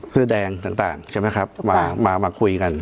เสื้อแดงต่างใช่ไหมครับมาคุยกัน